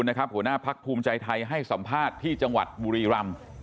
หัวหน้าพักภูมิใจไทยให้สัมภาษณ์ที่จังหวัดบุรีรำ